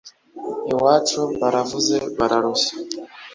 iwacu baravuze bararushye